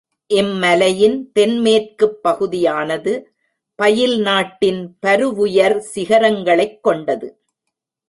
இம் மலையின் தென்மேற்குப் பகுதியானது பயில் நாட் டின் பருவுயர் சிகரங்களைக் கொண்டது.